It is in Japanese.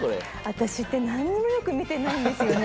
私ってなんにもよく見てないんですよね